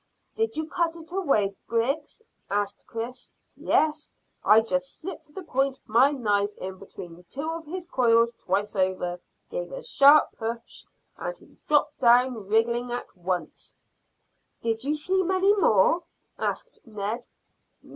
"Did you cut it away, Griggs?" asked Chris. "Yes. I just slipped the point of my knife in between two of his coils twice over, gave a sharp push, and he dropped down wriggling at once." "Did you see many more?" asked Ned.